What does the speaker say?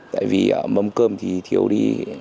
tại vì mâm cơm thì thiếu đi